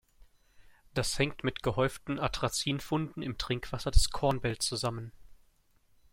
Das hängt mit gehäuften Atrazin-Funden im Trinkwasser des Corn Belt zusammen.